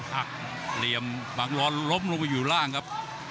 หักเหลี่ยมบางร้อนล้มลงไปอยู่ล่างครับ